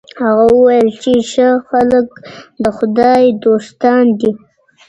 هغه وویل چي ښه خلک د خدای دوستان دي.